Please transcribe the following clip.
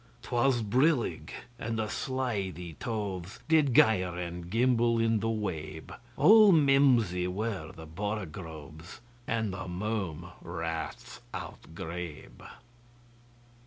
'T was brillig, and the slithy tovesDid gyre and gimble in the wabe; All mimsy were the borogoves, And the mome raths outgrabe.